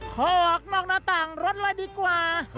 ออกนอกหน้าต่างรถเลยดีกว่า